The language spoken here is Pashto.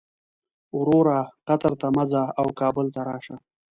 وروره قطر ته مه ځه او کابل ته راشه.